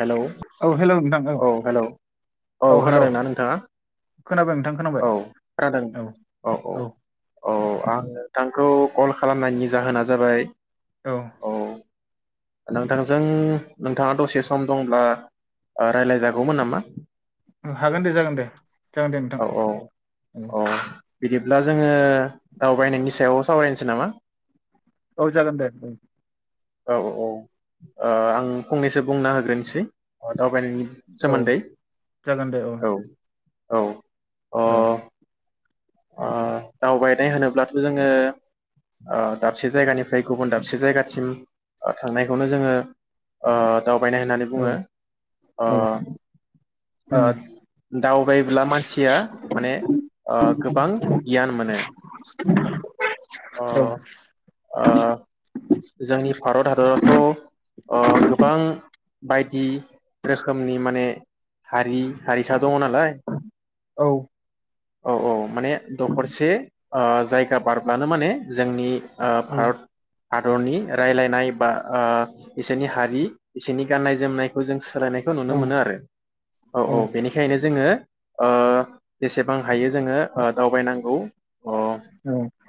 Hello औ hello नोंथां औ हेलौ औ खोनादोंना नोंथाङा खोनाबाय नोंथां खोनाबाय औ खोनादों औ औ औ-औ-औ आङ नोंथां आ? खौ कल खालामनायनि जाहोना जाबाय औ। नोंथांजों-नोंथाङा दसे सम दंब्ला राय्लाय जागौमोन नामा? उम हागोन दे जागोन दे- जागोन दे नोंथां औ औ उम। औ बिदिब्ला जोङो दावबायनायनि सायाव सावरायनिसै नामा?? औ जागोन दे बुं- औ-औ-औ। ओ आं फंनैसो बुंना होग्रोनोसै। दावबायनायनि औ सोमोन्दै जागोन दे औ। औ। औ। अ दावबायनाय होनोब्लाथ जोङो दाबसे जायगानिफ्राय गुबुन दाबसे जायगासिम थांनायखौनो जोङो ओ- दावबायनाय होननानै बुङो औ ओ औ उम -ओ दावबायोब्ला मानसिया माने- गियान मोनो। [inaudible] औ ओ-ओ जोंनि भारत हादरखौ गोबां- बायदि रोखोमनि माने- हारि हारिसा दङ नालाय। औ औ औ माने दखरसे ओ जायगा बार मानो माने जोंनि ओ औ भारत हादरनि रायलायनाय बा ओ बिसोरनि हारि बिसोरनि गाननाय जोमनायखौ जों सोलायनायखौ नुनो औ मोनो आरो औ औ बेनिखायनो जोङो ओ जेसेबां हायो जोङो दावबायनांगौ।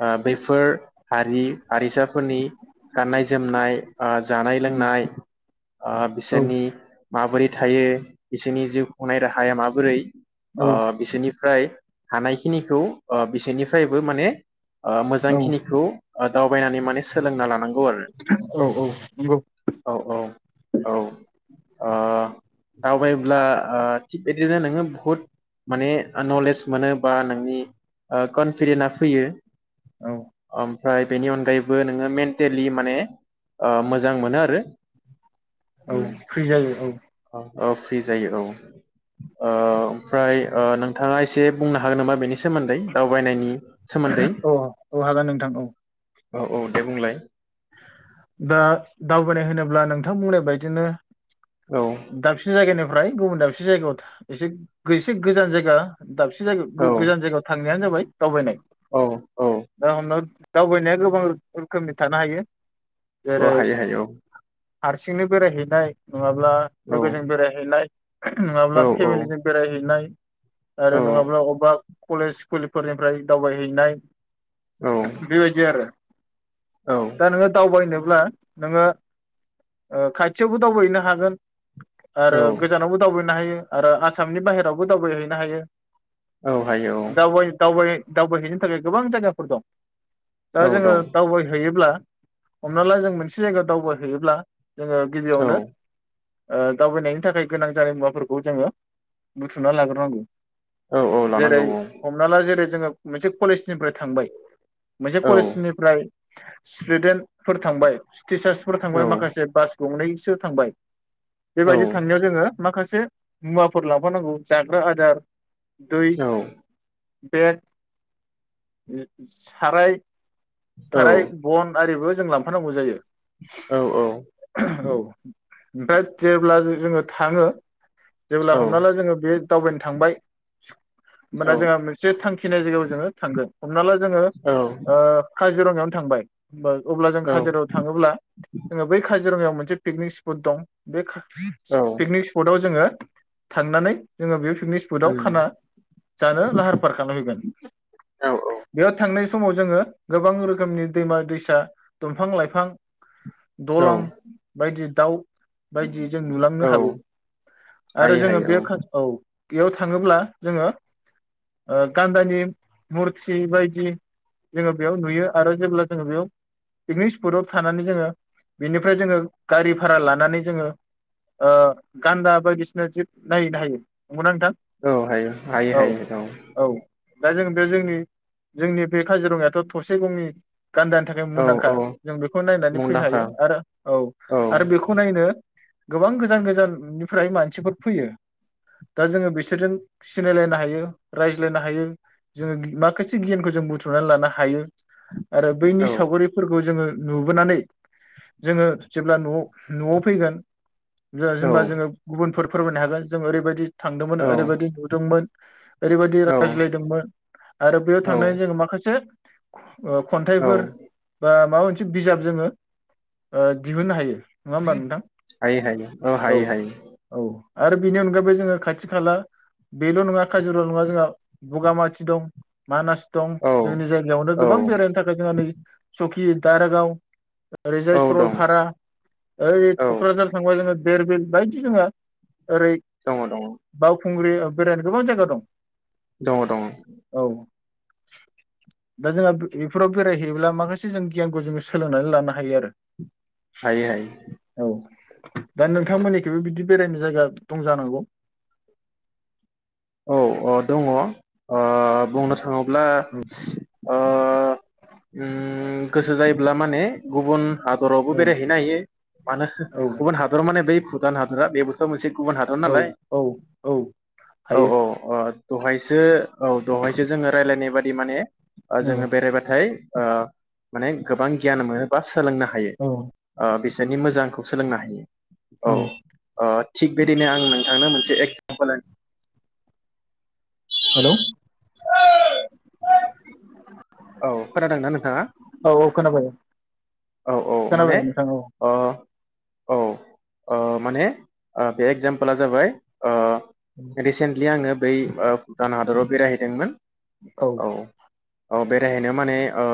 ओ बैफोर हारि हारिसाफोरनि गाननाय जोमनाय जानाय उम लोंनाय औ बिसोरनि माबोरै थायो बिसोरनि जिउ खुंनाय राहाया माबोरै औ अ बिसोरनि ओमफ्राय हानायखिनिखौ बिसोरनिफ्रायबो माने मोजांखिनिखौ आ द बायनानै माने सोलोंना लानांगौ आरो औ औ नंगौ औ औ औ। दावबायोब्ला थिग बिदिनो नोङो बहुत माने नलेज मोनो बा नोंनि कनफिदेनआ फैयो। औ ओमफ्राय बेनि अनगायैबो नोङो मेन्टेलि माने मोजां मोनो आरो। औ उम फ्रि जायो औ। औ फ्रि जायो औ। ओमफ्राय नोंथाङा इस दे बुंनो हागोन नामा बेनि सा सोमोन्दै दावबायनायनि सोमोन्दै औ औ हागोन नोंथां औ। औ औ दे बुंलाय दा दावबायनाय होनोब्ला नोंथां बुंनाय बायदिनो औ दाबसे‌ जायगोननि ओमफ्राय गुबुन दाबसे एसे जायगायाव एसे गोजान जायगा दाबसे औ जायायाव गोजान जायगायाव थां थांनायानो जाबाय दावबायनाय औ औ दा हमनो दावबायनाया गोबां रोखोमनि थानो हायो। जेरै औ हायो हायो औ। हारसिंनो बेरायहैनाय। नङाब्ला औ लोगोजों बेरायहैलाय। नङाब्ला औ औ फेमिलिजों बेरायहैनाय। आरो औ नङाब्ला अबेबा कलेज स्कुलफोरनिफ्राय दावबायहैनाय। औ बेबायदि आरो। औ। जेनोब्ला नोङो खाथियावबो दावबायहैनो हागोन। आरो औ गोजानावबो दावबायनो हायो। आरो आसामनि बाहेरावबो दावबायहैनो हायो। औ हायो दाव औ दावबायनाय दावबायहैनो थाखाय गोबां जायगाफोर दं। दा औ जोङो दं दावबायहैयोब्ला हमना ला जों मोनसे जायगायाव दावबायहैयोब्ला। जोङो औ गिबियावनो। दावबायनायनि थाखाय गोनां जानाय मुवाफोरखौ जोङो बुथुमना लाग्रोनांगौ। औ औ लानांगौ जेरै औ हमना ला जेरै जोङो। मोनसे कलेजनिफ्राय थांबाय मोनसे औ कलेजनिफ्राय [unintelligible] स्टुदेन्टफोर थांबाय। टिचार्सफोर औ थांबाय माखासे बास गंनैसो थांबाय। औ बेबायदि थांनायाव जोङो। माखासे मुवाफोर लाफानांगौ जाग्रा आदार। दै। बेग साराय। औ राय। आरिबो जों लांफानांगौ जायो। औ औ। औ ओमफ्राय जेब्ला जोङो थाङो। जेब्ला हमना ला जोङो बे दावबायनो थांबाय मोना जोंहा मोनसे थांखि [unintelligible] जोङो थांगोन। हमना ला जोङो। ओ काजिरङायावनो थांबाय होमबा अब्ला जों औ काजिरङायाव थाङोब्ला जोङो बै काजि ङायाव मोनसे पिकनिक स्पट दं बे का औ पिकनिक स्पटाव जोङो थांनानै जोङो बे पिकनिक स्पटाव उम खाना जानो लाहार फाहार खालामहैगोन औ बेयाव थांनाय समाव जोङो गोबां रोखोमनि दैमा दैसा दंफां लाइफां दलां औ बायदि दाउ बायदि जों नुलांनो औ हागौ आरो हायो जोङो हायो बे काज औ। बेयाव थाङोब्ला जोङो ओ गान्दानि मुरथि बायदि जोङो बेयाव नुयो आरो जेब्ला जोङो बेयाव पिकनिक स्पटआव थानानै जोङो बेनिफ्राय जोङो गारि भारा लानानै जोङो ओ गान्दा बायदिसिना जिब नायहैनो हायो। नंगौना नोंथां औ हायो हायो हायो औ। दा जों बे जोंनि जोंनि बे काजिरङायाथ' थसे गंनि गान्दानि थाखाय औ मुंदांखा औ जों बेखौ नायनानै फैनो मुंदांखा हायो आरो औ आरो बेखौ नायनो गोबां गोजान गोजाननिफ्राय मानसिफोर फैयो दा जोङो बिसोरजों सिनायलायनो हायो रायज्लायनो हायो जोङो माखासे गियानखौ जों बुथुमनानै लानो हायो। आरो औ बैनि सावगारिफोरखौ जोङो नुबोनानै जोङो जेब्ला न'आव, न'आव फैगोन जोंहा जेनबा जोङो गुबुनफोर फोरमायनो हागोन जों ओरैबायदि थांदोंमोन औ ओरैबायदि नुदोंमोन ओरैबायदि औ रायज्लायदोंमोन आरो बेयाव औ थांनानै जोङो माखासे [inaudible] औ खन्थाइफोर बा माबा मोन से बिजाब जोङो ओ दिहुननो हायो नङा होमबा नोंथां हायो हायो औ हायो हायो। औ आरो बेनि अनगायैबो जोङो खाथि खाला बेल' नङा काजिरङा जोंहा बगामाथि दं मानास दं औ जोंनि जायगायावनो गो औ बां बेरायनो थाखाय जोंहा नै सखि दारागाव ओरैजाय औ दं सरलपारा ओइ औ क'क्राझार थांबा जोङो देरबिल बायदि जोङो ओरै दङ दङ बाव खुंग्रि बेरायनो गोबां जायगा दं। दङ दङ [inaudible] दा जोंहा बेफोराव बेरायहैयोब्ला माखासे जों गियानखौ जोङो सोलोंनानै लानो हायो आरो हायो हायो औ दा नोंथांमोननिखैबो बिदि बेरायनो जायगा दं जानांगौ औ औ दङ औ ओ बुंनो थाङोब्ला ओ उम गोसो जायोब्ला माने गुबुन हादरावबो औ बेरायहैनो हायो मानो औ गुबुन हादराव माने बै गोदान हादरा बेथ' मोनसे गुबुन हादर औ नालाय औ औ औ हायो औ अ दहायसो औ दहायसो जोङो रायज्लायनाय बादि माने औ जोङो बेरायबाथाय ओ माने गोबां गियान मोनो बा सोलोंनो हायो औ बेनि मोजांखौ सोलोंनो हायो औ ओ थिग बिदिनो आं नोंथांनो मोनसे [unintelligible] हेलौ औ खोनादोंना नोंथाङा औ औ खोनाबाय औ औ माने खोनाबाय नोंथां औ ओ औ माने बे एगजामपला जाबाय ओ रिसेन्टलि आङो बै भुटान हादराव बेरायहैदोंमोन औ अ बेरायहैनो माने ओ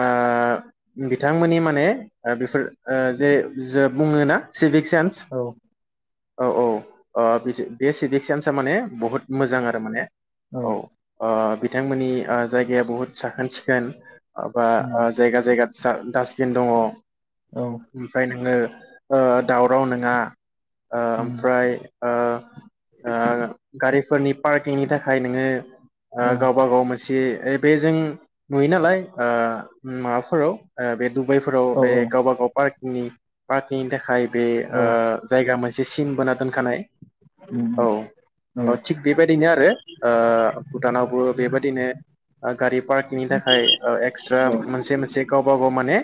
आं बिथांमोननि माने बेफोर ओ जे जो बुङोना सिभिक सेन्स औ औ औ बे सिभिक सेन्सा माने बुहुत मोजां आरो माने औ आ बिथांमोननि ओ जायगाया बुहुत साखोन सिखोन आबा उम जायगा जायगा [unintelligible] डास्टबिन दङ औ ओमफ्राय नोङो ओ दावराव नोङा ओ उम ओमफ्राय ओ आ गारि फोरनि पार्किंनि थाखाय नोङो ओ औ गावबा गाव मोन से बे जों नुयो नालाय ओ माबाफोराव बे डुबाइफोराव औ बे गावबा गाव पार्क नि पाखिनि थाखाय बे औ ओ जायगा मोनसे जे सिन बोना दोनखानाय उम औ उम ओ थिग बेबायदिनो आरो ओ भुटानावबो बेबायदिनो ओ गारि पार्किनि थाखाय ओ एक्सट्रा औ मोनसे मोनसे गावबा गाव माने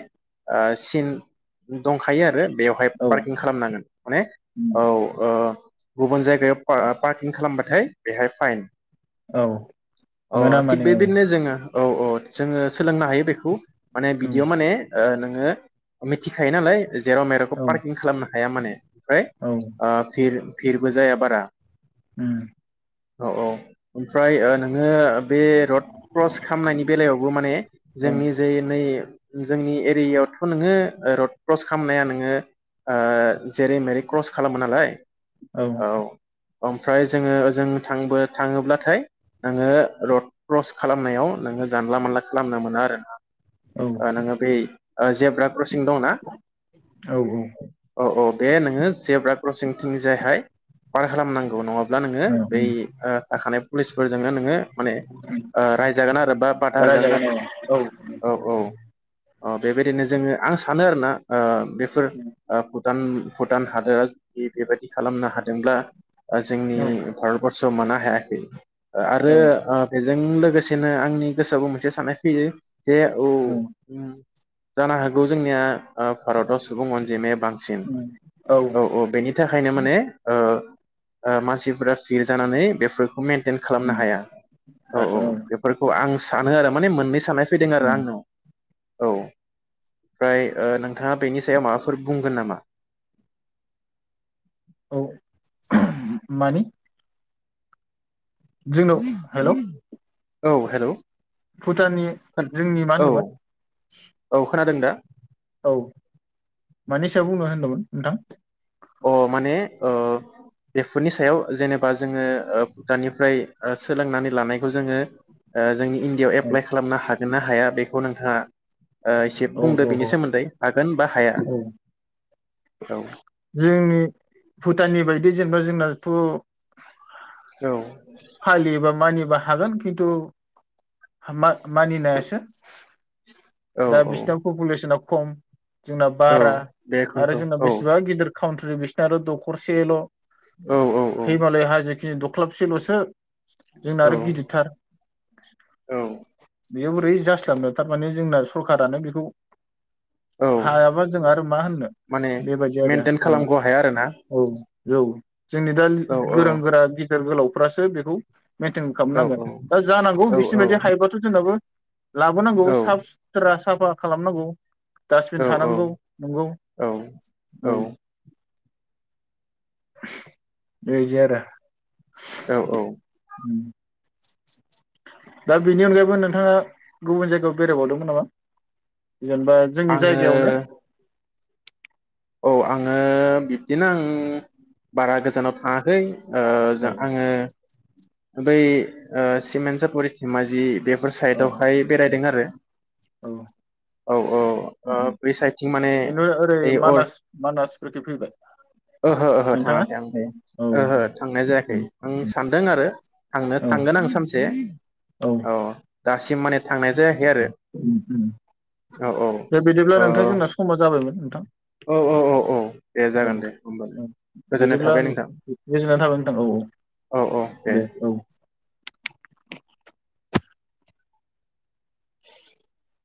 ओ सिन दंखायो आरो बेवहाय औ पार्किं खालामनांगोन माने उम औ ओ गुबुन जायगायाव पा-पार्किं खालामबाथाय बेहाय फाइन औ मोना माने औ दिनो जोङो औ औ जोङो सोलोंनो हायो बेखौ माने उम बिदियाव माने ओ नोङो मिथिखायो नालाय जेराव मेरावखौ औ पार्किं खालामना हाया माने। ओमफ्राय औ ओ फिर भिरबो जाया बारा। उम अ औ ओमफ्राय ओ नों ङो बे रड क्रस खामनायनि बेलायावबो माने औ जोंनि जे नै जोंनि एरियायावथ नोङो ओ रड क्रस खामनाया नोङो ओ जेरै मेरै क्रस खालामो नालाय औ ओमफ्राय जोङो ओजों थांबो थाङोब्लाथाय नोङो रड क्रस खालामनायाव नोङो जानला मानला खालामनो मोना आरो ना औ ओ नोङो बे ओ जेब्राब क्रसिं दंङना? औ औ औ बे नोङो जेब्रा क्रसिं थिंजायहाय पार खालामनांगौ नङाब ब्ला नोङो बै उम ओ थाखानाय पुलिसफोरजोंनो नोङो माने ओ रायजागोन आरो बा बादा होजागोन रायजागोन आरो औ औ औ अ बेबायदिनो जों ओ आं सानो आरोना ओम बेफोर उम ओ [unintelligible] भुटान भुटान हादोरा जुदि बेबायदि खालामनो हादोंब्ला ओ जोंनि औ भारतबर्सआ मानो हाया? [inaudible] आरो औ ओ बेज जों लोगोसेनो आंनि गोसोआवबो मोनसे साननाय फैयो। जे औ उम। जानो हागौ जोंनिया ओ भारताव सुबुं अनजिमाया बांसिन औ औ बेनि थाखायनो माने ओ ओ मानसिफोरा फिरजानानै बेफोर खौ मेनटेन खालामनो हाया। आथसा औ। आं सानो आरो माने मोननै साननाय फैदों आरो उम आंनाव औ फ्राय ओ नोंथाङा बेनि सायाव माबाफोर बुंगोन नामा? औ मानि? जोंनाव हेल औ हेलौ भुटाननि जोंनि मा औ होनदोंमोन? औ खोनादों दा? औ मानि सायाव बुंनो होनदोंमोन नोंथां? अ माने ओ बेफोरनि सायाव जेनेबा जोङो ओ भुटनिफ्राय ओ सोलोंनानै लानायखौ जोङो ओ जोंनि इण्डिआव औ एप्लाइ खालामना हाग हागोनना हाया बेखौ नोंथाङा ओ एसे औ बुंदो औ बिनि औ सोमोन्दै हागोन बा हाया। औ। जोंनि भुटाननि बायदि जेनबा जोंनाथ औ बा हागोन खिन्थु मा-मानिनायासो। औ दा औ बिसदा पपुलेसना खम। जोंना औ बारा आरो बेखौनोथ' जोंना औ बेसेबा गिदिर। काउन्ट्रि बिसना आरो दखरसेल' औ औ औ हि मालाय हाजो दख्लाबसे लसो। जोंना औ आरो गिदिरथार। औ बेयाव बोरै जास्लाबनो थारमाने जोंना सरखारानो बेखौ औ हायाबा जों आरो मा होननो माने बेबायदि आरो मेनटेन खालामग' हाया आरोना औ-औ-औ। जोंनि दा लि औ औ गोरों गोरा। गेदेर गोलावफ्रासो बे औ। मेेनटेन औ खालामनांगोन दा जानांगौ औ औ बिसिनिबायदि हायोबाथ' जोंनाबो लाबोनांगौ औ साफ सुथ्रास। साफा खालामनांगौ। औ डासबिन थानांगौ नंगौ औ औ। ओइ जारा। औ-औ। उम। दा बेनि अनगायैबो नोंथाङा गुबुन जायगायाव बेरायबावदोंमोन नामा? जेनबा जोंनि आङो जायगायावनो। औ आङो बिब्दिनो आं बारा गोजानाव थाङाखै। ओ औ जोआङो बै ओ सिमेन्सापुरि धेमाजि बे फोर औ साइद आवहाय औ बेरायदों आरो औ औ-औ-औ बे साइदथिं माने बेनो ओरै ओइ अर। मानास मानासफोरखै फैबाय ओहो-ओहो नोंथाङा थाङाखै आं औ दे औ ओहो थांनाय जायाखै आं सानदों आरो थांनो औ थांगोन आं सानसे औ। दासिम माने थांनाय जायाखै आरो उम-उम औ औ दे बिदिब्ला ओ नोंथा जोंना समा जाबायमोन नोंथां। औ औ औ दे औ जागोन दे होमबालाय ओ गोजोननाय बिदिब्ला थाबाय नो नोंथां गोजोनना थाबाय नोंथां औ-औ औ औ दे औ। [inaudible]